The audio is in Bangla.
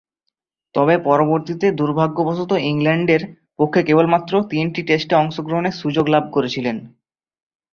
তবে, পরবর্তীতে দূর্ভাগ্যবশতঃ ইংল্যান্ডের পক্ষে কেবলমাত্র তিনটি টেস্টে অংশগ্রহণের সুযোগ লাভ করেছিলেন।